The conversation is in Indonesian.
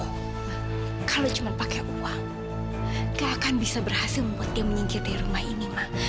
ma kalau cuma pakai uang gak akan bisa berhasil membuat dia menyingkir dari rumah ini ma